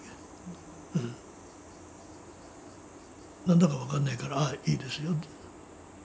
何だか分かんないからいいですよって。